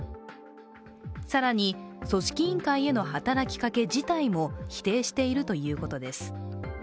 更に組織委員会への働きかけ自体も否定しているということです。